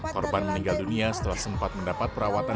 korban meninggal dunia setelah sempat mendapat perawatan